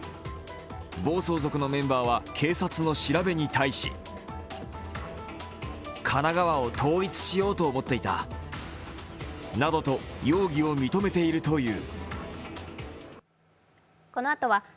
暴走族のメンバーは警察の調べに対しなどと容疑を認めているという。